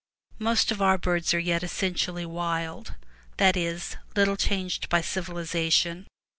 Most of our birds are yet essentially wild, that is, little changed by civilization.